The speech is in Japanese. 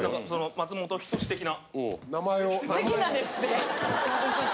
「松本人志的な」。